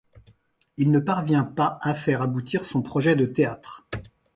Il ne parvient pas à faire aboutir son projet de théâtre.